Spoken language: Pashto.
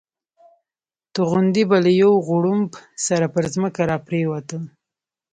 توغندي به له یو غړومب سره پر ځمکه را پرېوتل.